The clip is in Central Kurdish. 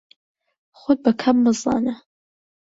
خۆت بە کەم مەزانە.